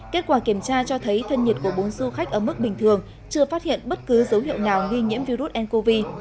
kết quả kiểm tra cho thấy thân nhiệt của bốn du khách ở mức bình thường chưa phát hiện bất cứ dấu hiệu nào nghi nhiễm virus ncov